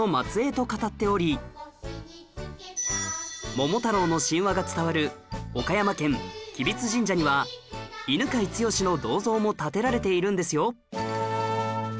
『桃太郎』の神話が伝わる岡山県吉備津神社には犬養毅の銅像も建てられているんですよ